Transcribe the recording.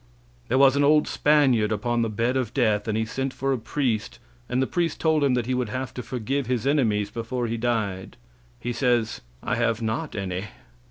There was an old Spaniard upon the bed of death, and he sent for a priest, and the priest told him that he would have to forgive his enemies before he died. He says, "I have not any."